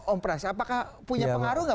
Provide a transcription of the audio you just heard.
om pras apakah punya pengaruh gak